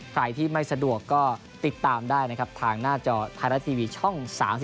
ใครที่ไม่สะดวกก็ติดตามได้นะครับทางหน้าจอไทยรัฐทีวีช่อง๓๒